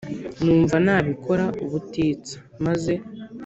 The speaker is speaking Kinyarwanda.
Numva nabikora ubutitsa maze